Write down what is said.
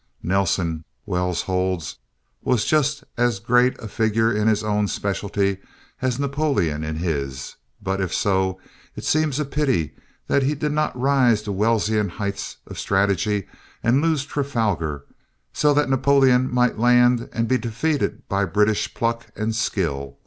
Nelson, Wells holds, was just as great a figure in his own specialty as Napoleon in his, but if so it seems a pity that he did not rise to Wellsian heights of strategy and lose Trafalgar so that Napoleon might land and be defeated by British pluck and skill.